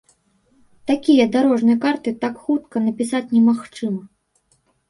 Такія дарожныя карты так хутка напісаць немагчыма.